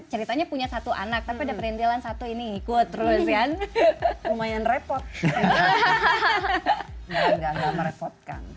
ceritanya punya satu anak tapi ada perintilan satu ini ikut terus kan lumayan repot nggak merepotkan